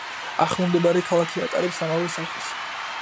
ახლომდებარე ქალაქი ატარებს ამავე სახელს.